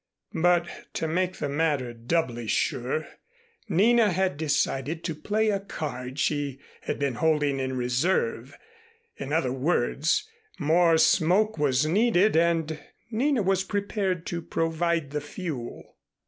But to make the matter doubly sure, Nina had decided to play a card she had been holding in reserve. In other words, more smoke was needed and Nina was prepared to provide the fuel.